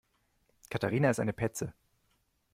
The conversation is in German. Katharina ist eine Petze.